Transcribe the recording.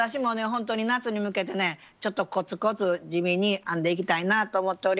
ほんとに夏に向けてねちょっとこつこつ地味に編んでいきたいなと思っております。